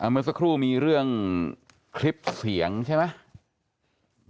เมื่อสักครู่มีเรื่องคลิปเสียงใช่ไหม